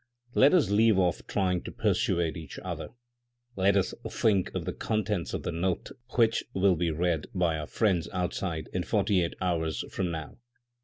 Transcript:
Let us leave off trying to persuade each other. Let us think of the contents of the note which will be read by our friends outside in forty eight hours from now.